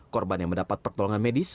korban yang mendapat pertolongan medis